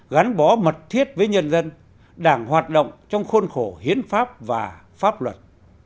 gắn bó mật thiết với nhân dân đảng hoạt động trong khuôn khổ hiến pháp và pháp luật